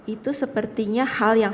itu sepertinya hal yang